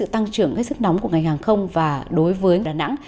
tăng trưởng hết sức nóng của ngành hàng không và đối với đà nẵng